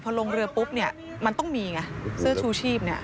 พอลงเรือปุ๊บเนี่ยมันต้องมีไงเสื้อชูชีพเนี่ย